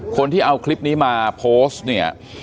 คนที่เอาคลิปนี้มาโพสต์เนี่ย